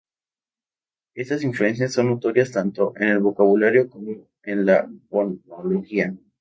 Estas influencias son notorias tanto en el vocabulario como en la fonología.